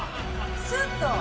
スッと。